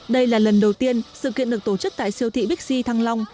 đây là lần đầu tiên sự kiện được tổ chức tại siêu thị bixi thăng long